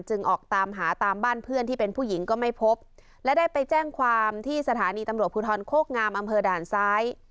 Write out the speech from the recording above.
ออกตามหาตามบ้านเพื่อนที่เป็นผู้หญิงก็ไม่พบและได้ไปแจ้งความที่สถานีตำรวจภูทรโคกงามอำเภอด่านซ้าย